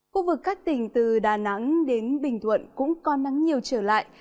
khu vực các tỉnh từ đà nẵng đến bình thuận cũng có nắng nhiều trở lại